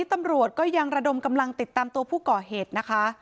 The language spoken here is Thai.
ตำรวจก็ยังระดมกำลังติดตามตัวผู้ก่อเหตุนะคะ